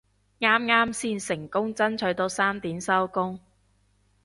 啱啱先成功爭取到三點收工